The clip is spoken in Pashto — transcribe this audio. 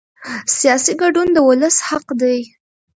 سیاسي ګډون د ولس حق دی